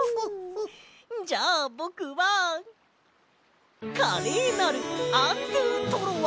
じゃあぼくは華麗なるアンドゥトロワ！